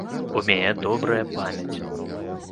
У мяне добрая памяць.